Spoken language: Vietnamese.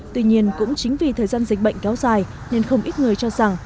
tuy nhiên cũng chính vì thời gian dịch bệnh kéo dài nên không ít người cho rằng